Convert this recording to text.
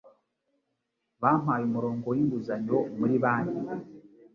Bampaye umurongo w'inguzanyo muri banki